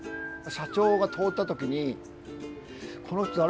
社長が通った時に「この人誰かな？」。